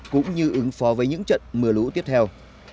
cũng như ứng phó với những trận mưa lũ tiếp theo